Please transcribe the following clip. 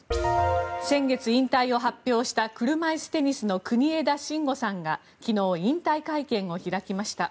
先月、引退を発表した車いすテニスの国枝慎吾さんが昨日、引退会見を開きました。